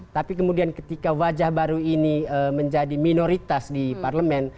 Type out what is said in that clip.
tapi kemudian ketika wajah baru ini menjadi minoritas di parlemen